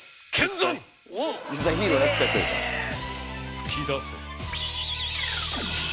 噴き出せ。